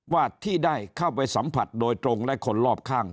ว่าที่ได้เข้าไปสัมผัสโดยตรงและคนรอบข้าง